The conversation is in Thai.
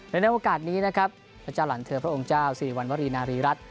ในโอกาสนี้นะครับพระเจ้าหลานเธอพระองค์เจ้าสิริวัณวรีนารีรัฐ